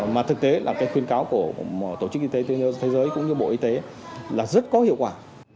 mà thực tế là cái khuyến cáo của tổ chức y tế thế giới cũng như bộ y tế là rất có hiệu quả